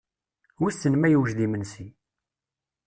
Wissen ma yewjed imensi.